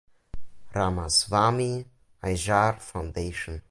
Ramaswami Aiyar Foundation.